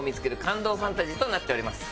ファンタジーとなっております。